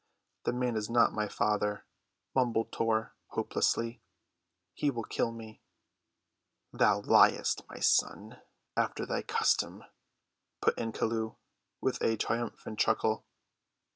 "The man is not my father," mumbled Tor hopelessly. "He will kill me." "Thou liest, my son, after thy custom," put in Chelluh, with a triumphant chuckle.